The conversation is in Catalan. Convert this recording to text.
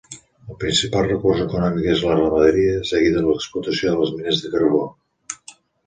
El principal recurs econòmic és la ramaderia, seguida de l'explotació de les mines de carbó.